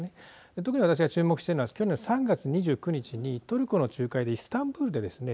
特に私が注目しているのは去年３月２９日にトルコの仲介でイスタンブールでですね